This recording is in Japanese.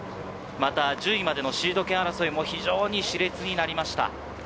また１０位までのシード権争いも非常に熾烈になりました。